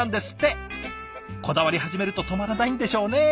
こだわり始めると止まらないんでしょうね。